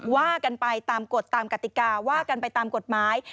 ว่ากันไปตามกฎตามกติกาว่ากันไปตามกฎหมาย